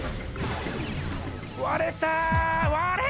割れた！